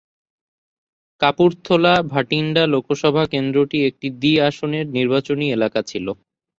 কাপুর্থলা-ভাটিন্ডা লোকসভা কেন্দ্রটি একটি দ্বি-আসনের নির্বাচনী এলাকা ছিল।